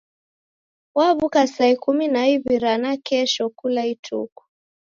Waw'uka saa ikumi na iw'i ra nakesho kula ituku.